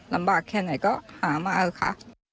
ลำบากแค่ไหนก็หามาเถอะค่ะ